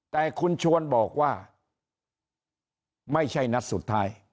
แต่คุณชวนบอกว่าไม่ใช่นัดสุดท้าย